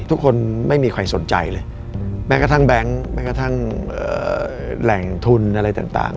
ทุกคนไม่มีใครสนใจเลยแม้กระทั่งแบงค์แม้กระทั่งแหล่งทุนอะไรต่าง